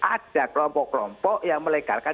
ada kelompok kelompok yang melegalkan